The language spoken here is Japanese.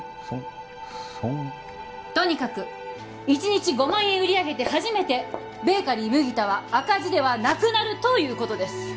そんそんとにかく一日５万円売り上げて初めてベーカリー麦田は赤字ではなくなるということです